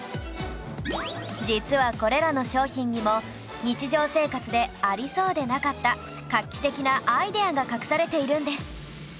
実はこれらの商品にも日常生活でありそうでなかった画期的なアイデアが隠されているんです